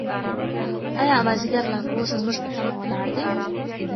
ایا مازیګر لا تر اوسه زموږ په تمه ولاړ دی؟